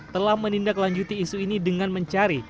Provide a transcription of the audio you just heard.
telah menindaklanjuti isu ini dengan mencari